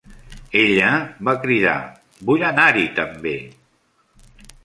Ella va cridar; "Vull anar-hi també!"